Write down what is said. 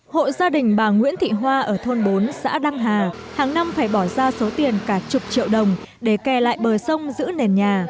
hộ gia đình bà nguyễn thị hoa ở thôn bốn xã đăng hà hàng năm phải bỏ ra số tiền cả chục triệu đồng để kè lại bờ sông giữ nền nhà